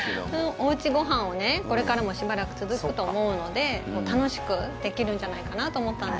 おうちご飯をこれからもしばらく続くと思うので楽しくできるんじゃないかなと思ったので。